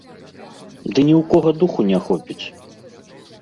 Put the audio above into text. Ды ні ў кога духу не хопіць!